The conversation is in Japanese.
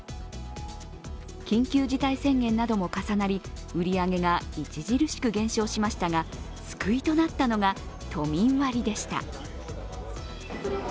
緊急事態宣言なども重なり売り上げが著しく減少しましたが救いとなったのが都民割でした。